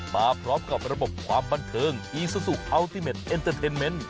มาพร้อมกับระบบความบันเทิงอีซูซูอัลติเมดเอ็นเตอร์เทนเมนต์